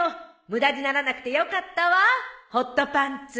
無駄にならなくてよかったわホットパンツ。